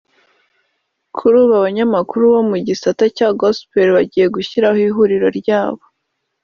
kuri ubu abanyamakuru bo mu gisata cya gospel bagiye gushyiraho ihuriro ryabo